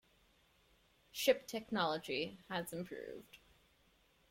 Ship technology has improved.